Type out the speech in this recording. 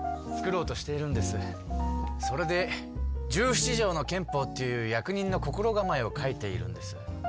それで「十七条の憲法」っていう役人の心がまえを書いているんです。